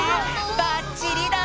ばっちりだ！